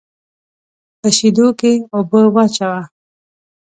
په شېدو کې اوبه واچوه.